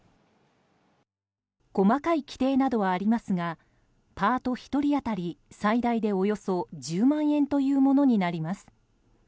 細かい規定などはありますがパート１人当たり最大で、およそ１０万円というものになります。